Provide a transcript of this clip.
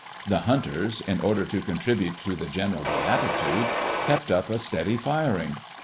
The hunters, in order to contribute to the general beatitude, kept up a steady firing.